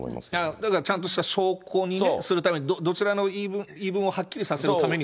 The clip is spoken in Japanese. だから、ちゃんとした証拠にするために、どちらの言い分もはっきりさせるためにもね。